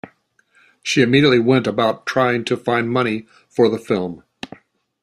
She immediately went about trying to find money for the film.